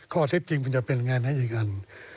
ข้อเท็จจริงเป็นยังไงนะอีกนั้น